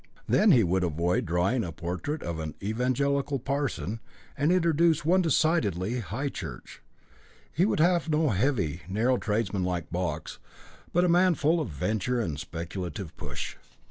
Then he would avoid drawing the portrait of an Evangelical parson, and introduce one decidedly High Church; he would have no heavy, narrow tradesman like Box, but a man full of venture and speculative push.